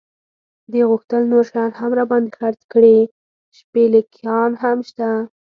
دې غوښتل نور شیان هم را باندې خرڅ کړي، شپلېکان هم شته.